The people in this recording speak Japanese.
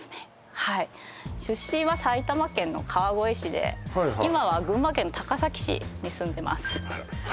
はい出身は埼玉県の川越市で今は群馬県の高崎市に住んでます